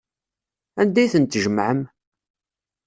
Anda ay ten-tjemɛem?